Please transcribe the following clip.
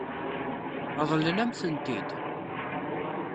Ṛeḍlen-am-tent-id?